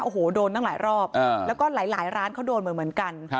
โอ้โหโดนตั้งหลายรอบแล้วก็หลายร้านเขาโดนเหมือนกัน